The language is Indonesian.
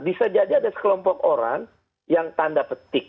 bisa jadi ada sekelompok orang yang tanda petik